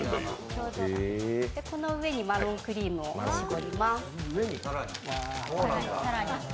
この上にマロンクリームを絞ります。